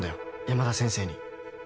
山田先生に。